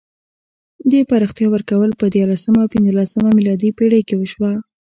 دې پراختیا ورکول په دیارلسمه او پنځلسمه میلادي پېړۍ کې وشوه.